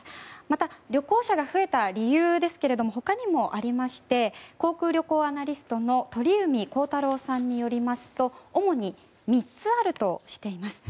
また、旅行者が増えた理由ですが他にもありまして航空・旅行アナリストの鳥海高太朗さんによりますと主に３つあるとしています。